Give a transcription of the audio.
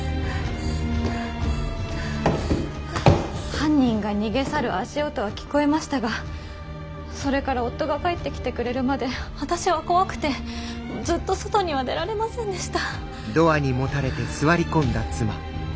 犯人が逃げ去る足音は聞こえましたがそれから夫が帰ってきてくれるまで私は怖くてずっと外には出られませんでした。